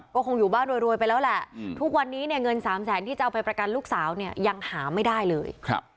ก็คงอยู่บ้านรวยไปแล้วแหละทุกวันนี้เนี่ยเงิน๓แสนที่จะเอาไปประกันลูกสาวเนี่ยยังหาไม่ได้เลย